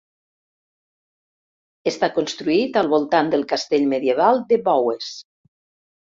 Està construït al voltant del castell medieval de Bowes.